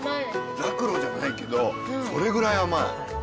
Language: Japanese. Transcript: ザクロじゃないけどそれくらい甘い。